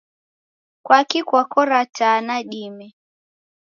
Kwaki kwakora taa nadime?